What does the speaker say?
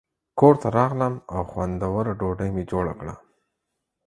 کور ته راغلم او خوندوره ډوډۍ مې جوړه کړه.